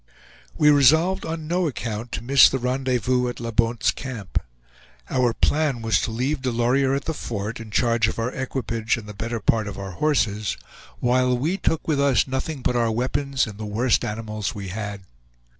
We resolved on no account to miss the rendezvous at La Bonte's Camp. Our plan was to leave Delorier at the fort, in charge of our equipage and the better part of our horses, while we took with us nothing but our weapons and the worst animals we had.